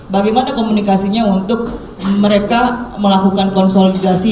bagaimana komunikasinya untuk mereka melakukan konsolidasi